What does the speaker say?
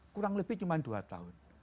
kurang lebih cuma dua tahun